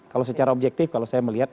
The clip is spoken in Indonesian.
kalau secara objektif kalau saya melihat